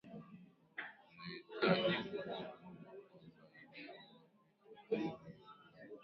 zinahitaji kupunguzwa kwa faida ua vitu hivi